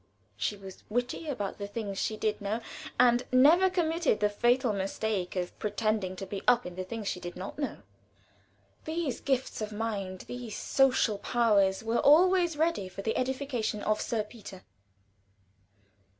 She was witty about the things she did know, and never committed the fatal mistake of pretending to be up in the things she did not know. These gifts of mind, these social powers, were always ready for the edification of Sir Peter.